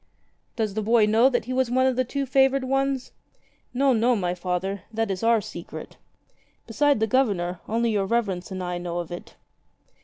"Does the boy know that he was one of the two favoured ones ?" "No, no, my Father. That is our secret. Beside the Governor, only your Reverence and I know of it."